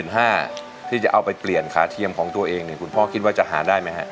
ที่จะเอาไปเปลี่ยนขาเทียมของตัวเองเนี่ยคุณพ่อคิดว่าจะหาได้ไหมฮะ